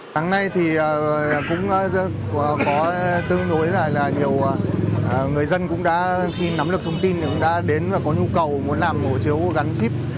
tháng nay thì cũng có tương đối là nhiều người dân cũng đã khi nắm được thông tin thì cũng đã đến và có nhu cầu muốn làm hộ chiếu gắn chip